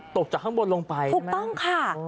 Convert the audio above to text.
ตกจากข้างบนลงไปถูกต้องค่ะ